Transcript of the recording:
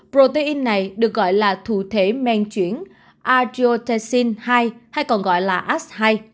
protein này được gọi là thủ thể men chuyển argyrotensin hai hay còn gọi là as hai